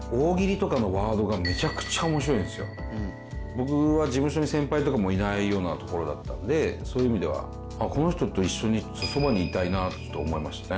僕は事務所に先輩とかもいないようなところだったのでそういう意味ではこの人と一緒にそばにいたいなと思いましたね。